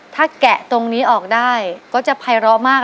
ถ้าแกะตรงนี้ออกได้ก็จะภัยร้อมาก